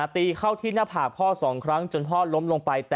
ตีเข้าที่หน้าผากพ่อ๒ครั้งจนพ่อล้มลงไป